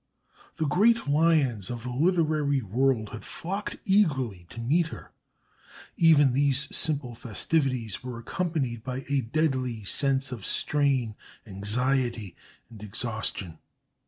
The great lions of the literary world had flocked eagerly to meet her. Even these simple festivities were accompanied by a deadly sense of strain, anxiety, and exhaustion.